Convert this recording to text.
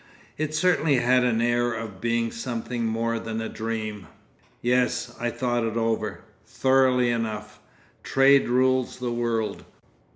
It certainly had an air of being something more than a dream. Yes, I thought it over—thoroughly enough.... Trade rules the world.